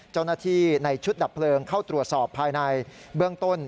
เจ้าหน้าที่ในชุดดับเพลิงเข้าตรวจสอบภายในเบื้องต้น